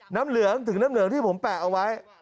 น้ำเหลืองถึงน้ำเหลืองที่ผมแปะเอาไว้